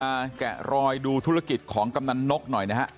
แกะรอยดูธุรกิจของกำนันนกหน่อยนะฮะ